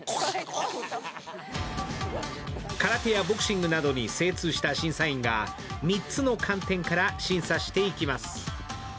空手やボクシングなどに精通した審査員が３つの観点から審査していきます。